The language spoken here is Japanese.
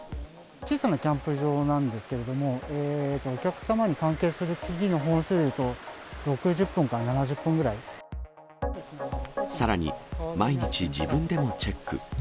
小さなキャンプ場なんですけれども、お客様に関係する木々の本数でいうと、６０本から７０本さらに、毎日自分でもチェック。